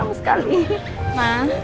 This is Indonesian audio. omar suka apaieht